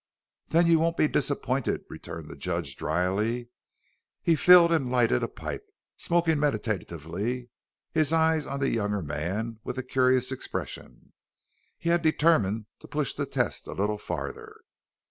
"Then you won't be disappointed," returned the judge dryly. He filled and lighted a pipe, smoking meditatively, his eyes on the younger man with a curious expression. He had determined to push the test a little farther.